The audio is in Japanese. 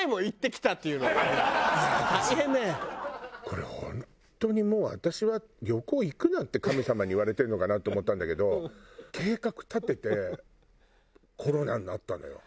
これ本当にもう私は旅行行くなって神様に言われてるのかなと思ったんだけど計画立ててコロナになったのよ。